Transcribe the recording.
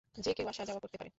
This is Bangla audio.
যে কেউ আসা যাওয়া করতে পারে।